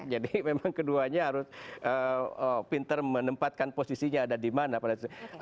jadi memang keduanya harus pinter menempatkan posisinya ada dimana pada situ